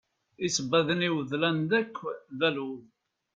Isebbaḍen-iw ḍlan akk d aluḍ.